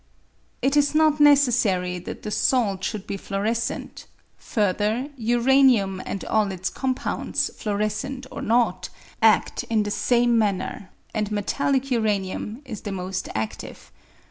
It is not necessary that the salt should be fluorescent ; further, uranium and all its compounds, fluorescent or not, adt in the same manner, and metallic uranium is the most adtive.